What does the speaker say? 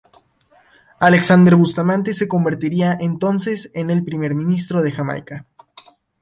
Alexander Bustamante se convertiría entonces en el primer Primer ministro de Jamaica.